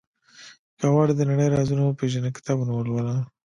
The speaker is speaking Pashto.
• که غواړې د نړۍ رازونه وپېژنې، کتابونه ولوله.